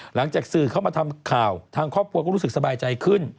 หลังจากสื่อเข้ามาทำข่าวทางครอบครัวก็รู้สึกสบายใจขึ้น